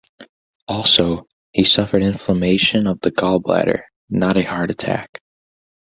Also, he suffered inflammation of the gall bladder, not a heart attack.